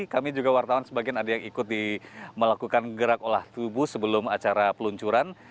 kami juga wartawan sebagian ada yang ikut melakukan gerak olah tubuh sebelum acara peluncuran